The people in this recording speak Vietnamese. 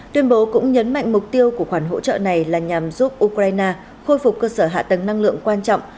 tuyên bố cũng nhấn mạnh mục tiêu của khoản hỗ trợ này là nhằm giúp ukraine khôi phục cơ sở hạ tầng năng lượng quan trọng